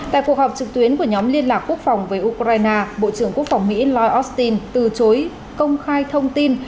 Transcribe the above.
tại cuộc họp trực tuyến của nhóm liên lạc quốc phòng với ukraine bộ trưởng quốc phòng mỹ lloyd austin từ chối công khai thông tin